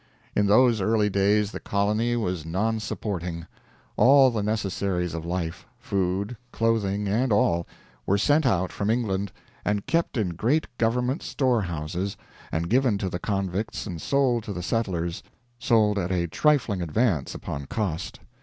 In those early days the colony was non supporting. All the necessaries of life food, clothing, and all were sent out from England, and kept in great government store houses, and given to the convicts and sold to the settlers sold at a trifling advance upon cost.